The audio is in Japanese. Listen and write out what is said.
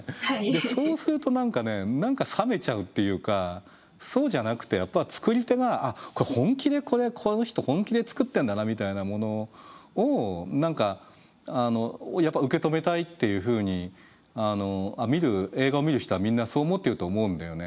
でそうすると何かね何か冷めちゃうっていうかそうじゃなくてやっぱ作り手が本気でこれこの人本気で作ってんだなみたいなものをやっぱ受け止めたいっていうふうに映画を見る人はみんなそう思ってると思うんだよね。